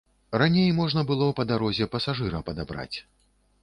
Раней можна было па дарозе пасажыра падабраць.